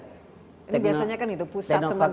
ini biasanya kan itu pusat sama daerah dan lain sebagainya